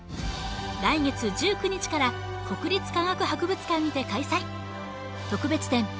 来月１９日から国立科学博物館にて開催特別展